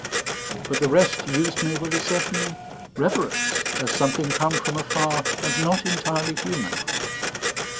But the rest used me with a certain reverence, as something come from afar and not entirely human.